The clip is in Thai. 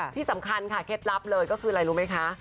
ที่สำคัญค่ะเคล็ดลับเลยก็คืออะไรรู้ไหมคะ